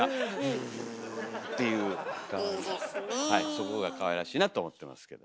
そこがかわいらしいなと思ってますけど。